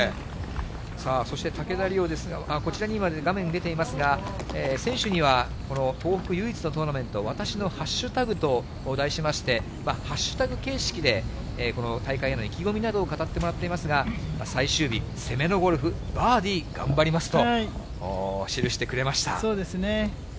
さあ、そして竹田麗央ですが、こちらに今、画面に出ていますが、選手には、この東北唯一のトーナメントわたしのハッシュタグと題しまして、ハッシュタグ形式でこの大会への意気込みなどを語ってもらっていますが、最終日、攻めのゴルフ、バーディー、頑張りますと、記してくれました。